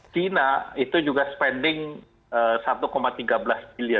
china itu juga spending satu tiga belas miliar